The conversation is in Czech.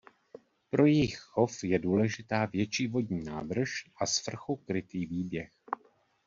Pro jejich chov je důležitá větší vodní nádrž a svrchu krytý výběh.